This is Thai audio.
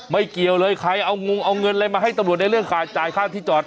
เกี่ยวเลยใครเอางงเอาเงินอะไรมาให้ตำรวจในเรื่องการจ่ายค่าที่จอด